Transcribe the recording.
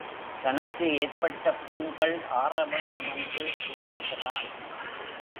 தனக்கு ஏற்பட்ட புண்கள் ஆறவேண்டுமென்றும் விரும்புகிறான்.